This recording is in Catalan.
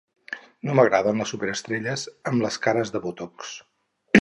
No m'agraden les superestrelles amb les cares de Botox.